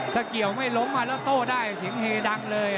ถ้าเกี่ยวไม่ล้มมาแล้วโต้ได้เสียงเฮดังเลย